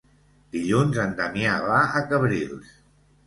Dilluns en Damià va a Cabrils.